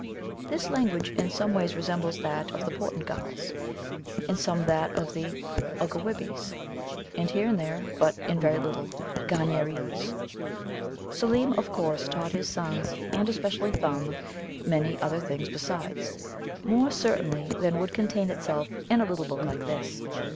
This language in some ways resembles that of the Portugalls, in some that of the Oggewibbies, and, here and there but in very little Garniereze. Seelem, of course, taught his sons, and especially Thumb, many other things besides more, certainly, than would contain itself in a little book like this.